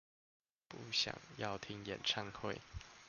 不想要聽演唱會